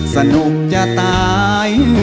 สนุกจะตาย